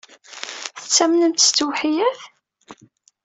Tettamnemt s ttewḥeyyat?